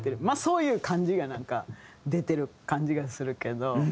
まあそういう感じがなんか出てる感じがするけど。